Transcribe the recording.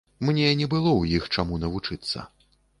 Мне не было ў іх чаму навучыцца.